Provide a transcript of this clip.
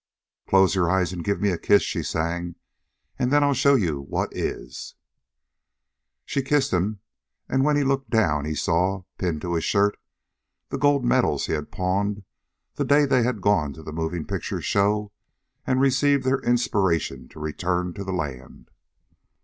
"Close your eyes and give me a kiss," she sang, "and then I'll show you what iss." She kissed him and when he looked down he saw, pinned to his shirt, the gold medals he had pawned the day they had gone to the moving picture show and received their inspiration to return to the land.